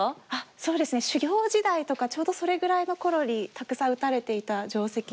そうですね修業時代とかちょうどそれぐらいの頃にたくさん打たれていた定石で。